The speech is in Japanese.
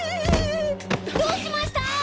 どうしました！？